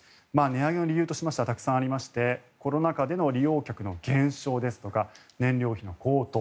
値上げの理由としましてはたくさんありましてコロナ禍での利用客の減少ですとか燃料費の高騰